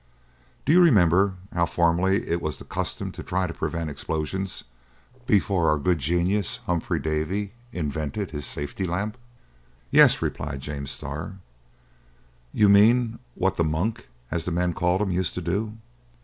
Do you remember how formerly it was the custom to try to prevent explosions before our good genius, Humphry Davy, invented his safety lamp?" "Yes," replied James Starr. "You mean what the 'monk,' as the men called him, used to do.